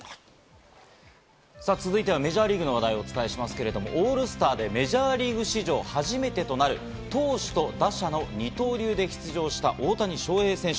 続いてはメジャーリーグの話題をお伝えしますけれども、オールスターでメジャーリーグ史上初めてとなる投手と打者の二刀流で出場した大谷翔平選手。